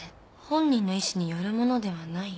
本人の意思によるものではない？